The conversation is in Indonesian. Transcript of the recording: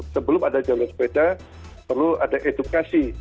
sebelum ada jalur sepeda perlu ada edukasi